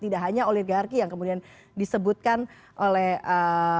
tidak hanya oligarki yang kemudian disebutkan oleh ee